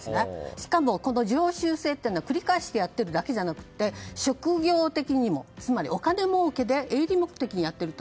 しかも常習性というのは繰り返してやっているだけじゃなくて職業的にもつまりお金もうけで営利目的でやっていると。